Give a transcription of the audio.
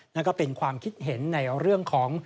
นั่นก็เป็นความคิดเห็นในเรื่องของ